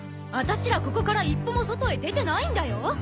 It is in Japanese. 私らここから一歩も外へ出てないんだよ？